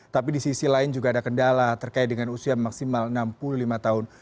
tapi di sisi lain juga ada kendala terkait dengan usia maksimal enam puluh lima tahun